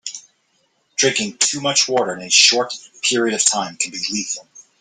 Drinking too much water in a short period of time can be lethal.